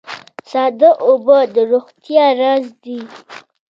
ساده اوبه د روغتیا راز دي